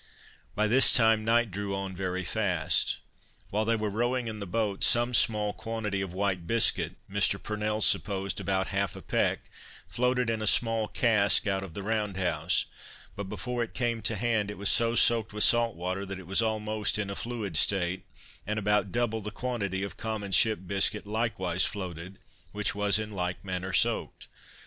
By this time night drew on very fast. While they were rowing in the boat, some small quantity of white biscuit (Mr. Purnell supposed about half a peck,) floated in a small cask, out of the round house; but before it came to hand, it was so soaked with salt water, that it was almost in a fluid state: and about double the quantity of common ship biscuit likewise floated, which was in like manner soaked.